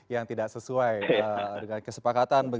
yang tidak sesuai dengan kesepakatan